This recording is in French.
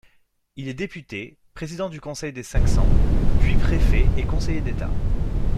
Il est député, président du Conseil des Cinq-Cents, puis préfet et conseiller d'État.